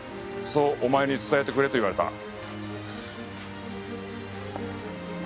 そうお前に伝えてくれと言われた。